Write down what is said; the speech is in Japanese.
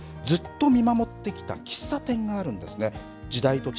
そんな清里をずっと見守ってきた喫茶店があるんですね。